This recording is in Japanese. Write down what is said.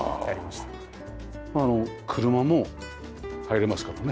まあ車も入れますからね。